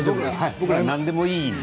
僕ら何でもいいので。